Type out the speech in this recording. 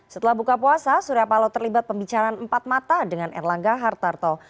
setelah buka puasa surya paloh terlibat pembicaraan empat mata dengan erlangga hartarto